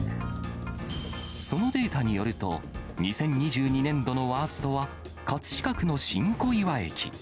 そのデータによると、２０２２年度のワーストは、葛飾区の新小岩駅。